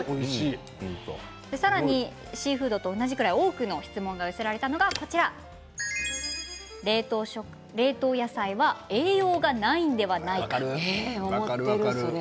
さらにシーフードと同じくらい多くの質問が寄せられたのが冷凍野菜は栄養がないのでは分かる分かる。